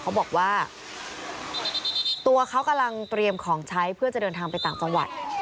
เขาบอกว่าตัวเขากำลังเตรียมของใช้เพื่อจะเดินทางไปต่างจังหวัด